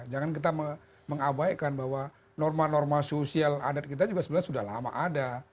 jangan kita mengabaikan bahwa norma norma sosial adat kita juga sebenarnya sudah lama ada